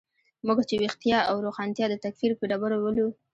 موږ چې ویښتیا او روښانتیا د تکفیر په ډبرو ولو.